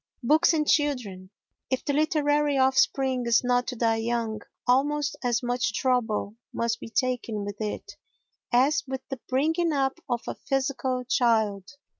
Books and Children If the literary offspring is not to die young, almost as much trouble must be taken with it as with the bringing up of a physical child.